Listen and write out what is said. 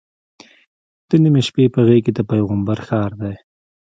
د نیمې شپې په غېږ کې د پیغمبر ښار دی.